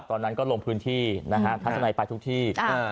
ตอนนั้นก็ลงพื้นที่นะฮะทัศนัยไปทุกที่